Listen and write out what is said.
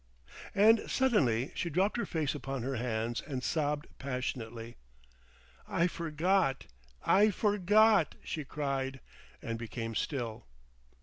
And suddenly she dropped her face upon her hands, and sobbed passionately— "I forgot—I forgot," she cried, and became still....